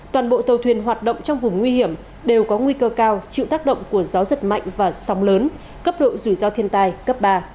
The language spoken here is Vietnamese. toàn bộ tàu thuyền hoạt động trong vùng nguy hiểm đều có nguy cơ cao chịu tác động của gió giật mạnh và sóng lớn cấp độ rủi ro thiên tai cấp ba